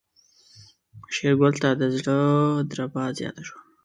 شېرګل ته د زړه دربا زياته شوه.